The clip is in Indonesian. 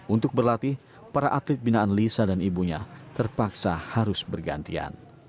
untuk berlatih para atlet binaan lisa dan ibunya terpaksa harus bergantian